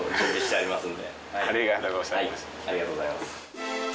ありがとうございます。